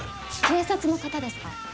警察の方ですか？